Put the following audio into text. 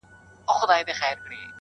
نظرونه دي زر وي خو بیرغ باید یو وي -